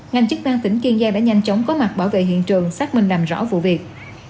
ngành chức năng tỉnh kiên giang đã nhanh chóng có mặt bảo vệ hiện trường xác minh làm rõ vụ việc